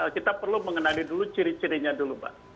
kita perlu mengenali dulu ciri cirinya dulu mbak